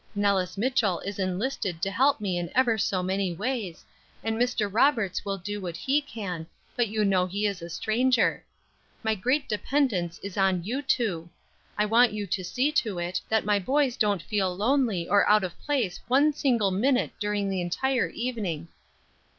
Nellis Mitchell is enlisted to help me in ever so many ways, and Mr. Roberts will do what he can, but you know he is a stranger. My great dependence is on you two. I want you to see to it, that my boys don't feel lonely or out of place one single minute during the entire evening."